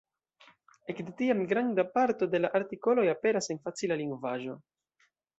Ekde tiam granda parto de la artikoloj aperas en facila lingvaĵo.